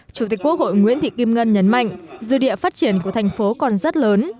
chủ tịch quốc hội nguyễn thị kim ngân nhấn mạnh dư địa phát triển của thành phố còn rất lớn